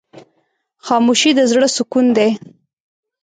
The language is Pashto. خاموشي، د زړه سکون دی.